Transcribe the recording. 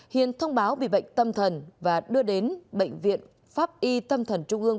hiền thông báo bị bệnh tâm thần và đưa đến bệnh viện pháp y tâm thần trung ương